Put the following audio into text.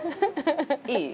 いい？